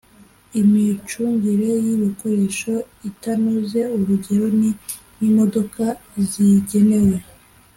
imicungire y ibikoresho itanoze Urugero ni nk imodoka zigenewe